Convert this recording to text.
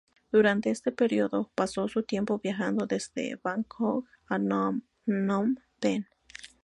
Durante este período, pasó su tiempo viajando desde Bangkok a Nom Pen.